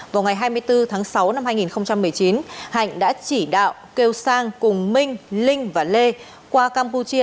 vào ngày hai mươi bốn tháng sáu năm hai nghìn một mươi chín hạnh đã chỉ đạo kêu sang cùng minh linh và lê qua campuchia